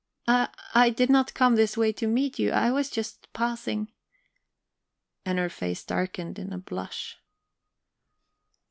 "I I did not come this way to meet you; I was just passing..." And her face darkened in a blush.